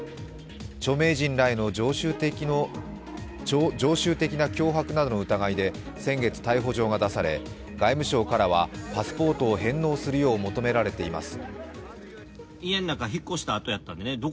著名人らへの常習的な脅迫などの疑いで先月、逮捕状が出され外務省からはパスポートを返納するよう求められています。